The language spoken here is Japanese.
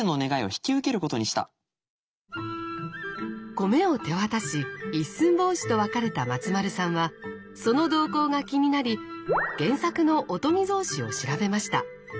米を手渡し一寸法師と別れた松丸さんはその動向が気になり原作の「御伽草子」を調べました。